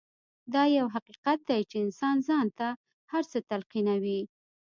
دا يو حقيقت دی چې انسان ځان ته هر څه تلقينوي.